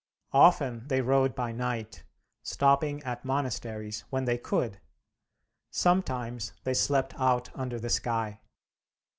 Often they rode by night, stopping at monasteries when they could, Sometimes they slept out under the sky.